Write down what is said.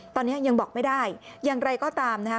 ตอนนี้ยังบอกไม่ได้อย่างไรก็ตามนะคะ